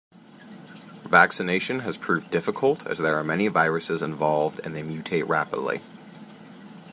Vaccination has proved difficult as there are many viruses involved and they mutate rapidly.